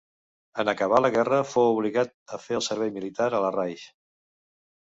En acabar la guerra fou obligat a fer el servei militar a Larraix.